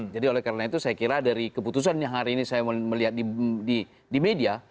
oleh karena itu saya kira dari keputusan yang hari ini saya melihat di media